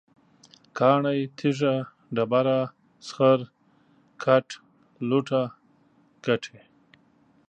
کاڼی، تیږه، ډبره، سخر، ګټ، لوټه، ګټی